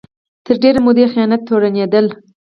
تر ډېرې مودې خیانت تورنېدل